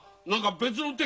別の手？